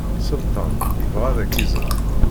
Selṭan ibɣa ad ak-iẓer.